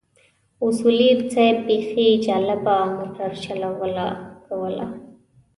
اصولي صیب بيخي جالبه موټر چلونه کوله.